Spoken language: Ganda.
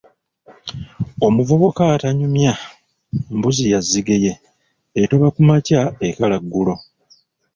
Omuvubuka atanyumya, mbuzi ya Zigeye etoba ku makya ekala ggulo!